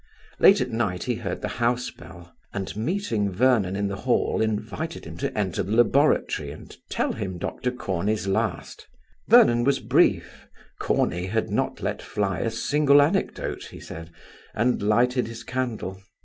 Late at night he heard the house bell, and meeting Vernon in the hall, invited him to enter the laboratory and tell him Dr. Corney's last. Vernon was brief, Corney had not let fly a single anecdote, he said, and lighted his candle.